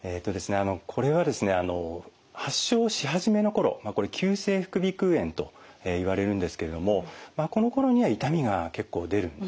これはですね発症し始めの頃急性副鼻腔炎といわれるんですけれどもこのころには痛みが結構出るんですね。